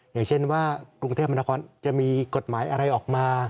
อย่างเช่นว่ากรุงเทพมนาคอนจะมีกฎหมายอะไรออกมา